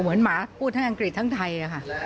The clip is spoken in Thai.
หมาพูดทั้งอังกฤษทั้งไทยค่ะ